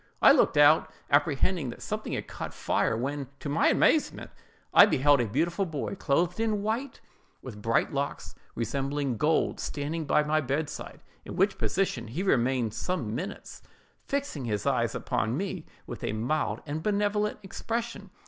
I looked out, apprehending that something had caught fire, when, to my amazement, I beheld a beautiful boy, clothed in white, with bright locks, resembling gold, standing by my bedside, in which position he remained some minutes, fixing his eyes upon me with a mild and benevolent expression.